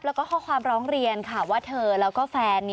แล้วก็ข้อความร้องเรียนค่ะว่าเธอแล้วก็แฟน